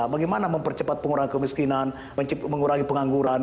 bagaimana mempercepat pengurangan kemiskinan mengurangi pengangguran